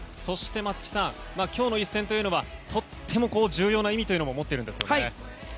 そして松木さん今日の一戦というのはとっても重要な意味というのも持っているんですよね。